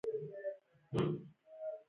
زه په خولو کښې لوند خيشت وم.